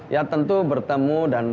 ya tentu bertemu dan